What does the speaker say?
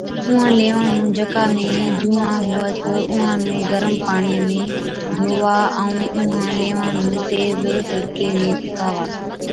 اُونهان ليوان نُون جڪا ۾ جُوئان هُوَس اُونهان نُون گرم پاڻِيان ۾ ڌووا ائُون اُونهان ليوان نُون تيز تِڙڪي ۾ سُڪاوا۔